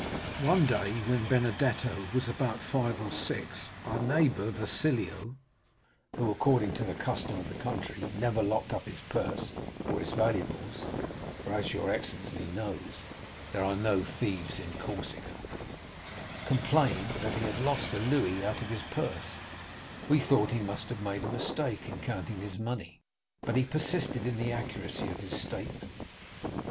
"One day, when Benedetto was about five or six, our neighbor Wasilio, who, according to the custom of the country, never locked up his purse or his valuables—for, as your excellency knows, there are no thieves in Corsica—complained that he had lost a louis out of his purse; we thought he must have made a mistake in counting his money, but he persisted in the accuracy of his statement.